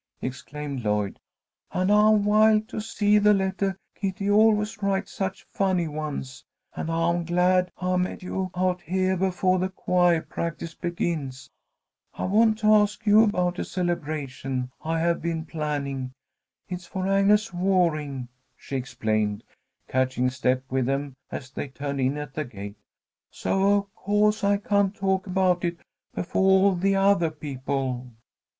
exclaimed Lloyd. "And I'm wild to see the lettah. Kitty always writes such funny ones. And I'm glad I met you out heah befoah the choir practice begins. I want to ask you about a celebration I have been planning. It's for Agnes Waring," she explained, catching step with them as they turned in at the gate. "So of co'se I can't talk about it befoah all the othah people.